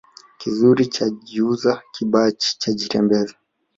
Kizuri chajiuza kibaya chajitembeza